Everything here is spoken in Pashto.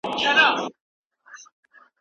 شاګرد باید د خپل تیزس مسؤلیت په غاړه واخلي.